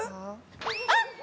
あっ！